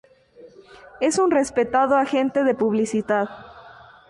Es un respetado agente de publicidad.